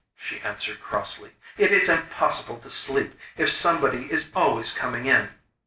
she answered crossly. 'It is impossible to sleep if somebody is always coming in.